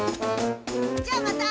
じゃあまた。